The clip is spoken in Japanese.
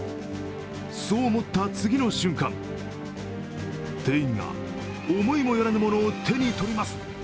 そう思った次の瞬間、店員が思いもよらぬものを手にとります。